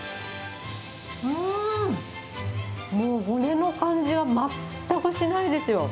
うーん、もう骨の感じは全くしないですよ。